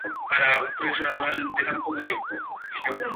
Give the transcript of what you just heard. Su construcción fue financiada por la República Popular de China.